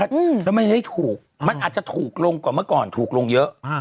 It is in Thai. แล้วไม่ให้ถูกมันอาจจะถูกลงกว่าเมื่อก่อนถูกลงเยอะ